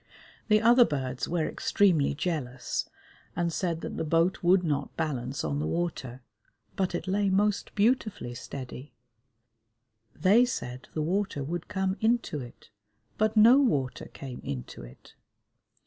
The other birds were extremely jealous and said that the boat would not balance on the water, but it lay most beautifully steady; they said the water would come into it, but no water came into it.